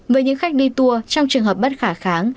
với những khách đi tour trong trường hợp bất khả kháng